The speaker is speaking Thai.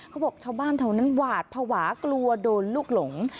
เขาบอกชาวบ้านแถวนั้นหวาดภาวะกลัวโดนลูกหลง